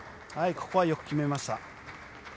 ここはよく決めました。